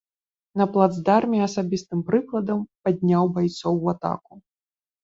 На плацдарме асабістым прыкладам падняў байцоў у атаку.